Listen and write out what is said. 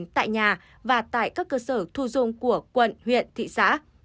tại nhà và tại các cơ sở thu dung của quận huyện thị xã